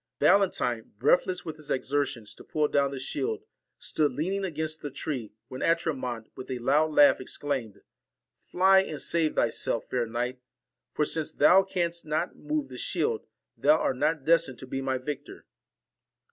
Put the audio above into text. Valentine, breathless with his exertions to pull down the shield, stood leaning against the tree, when Atramont, with a loud laugh, exclaimed, 4 Fly and save thyself, fair knight ; tor since thou canst not move the shield, thou art not destined to be my victor.